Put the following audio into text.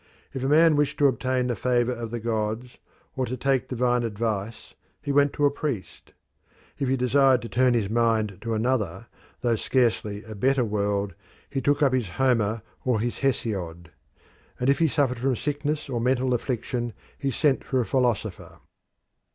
If a man wished to obtain the favour of the gods, or to take divine advice, he went to a priest; if he desired to turn his mind to another, though scarcely a better world, he took up his Homer or his Hesiod; and if he suffered from sickness or mental affliction he sent for a philosopher.